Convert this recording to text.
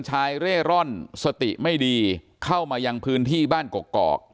เร่ร่อนสติไม่ดีเข้ามายังพื้นที่บ้านกกอก